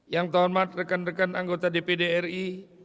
yang terhormat rekan rekan anggota dpd ri